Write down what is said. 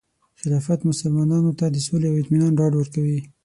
خلافت مسلمانانو ته د سولې او اطمینان ډاډ ورکوي.